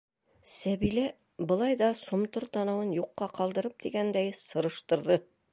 Сәбилә былай ҙа сомтор танауын юҡҡа ҡалдырып тигәндәй сырыштырҙы: